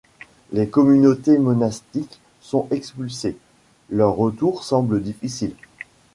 Les communautés monastiques sont expulsées, leur retour semble difficile.